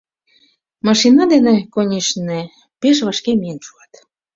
Машина дене, конешне, пеш вашке миен шуат...